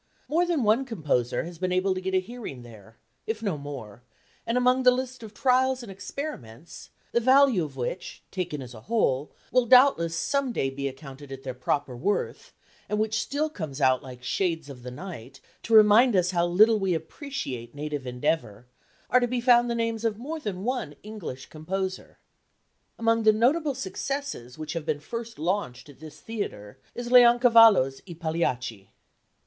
More than one composer has been able to get a hearing there, if no more, and among the list of trials and experiments the value of which taken as a whole will doubtless some day be accounted at their proper worth, and which still come out like shades of the night to remind us how little we appreciate native endeavour are to be found the names of more than one English composer. Among the notable successes which have been first launched at this theatre is Leoncavallo's I Pagliacci.